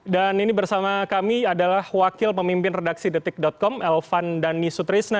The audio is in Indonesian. dan ini bersama kami adalah wakil pemimpin redaksi detik com elvan dhani sutrisna